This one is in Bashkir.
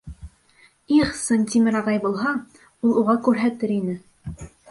Их, Сынтимер ағай булһа, ул уға күрһәтер ине.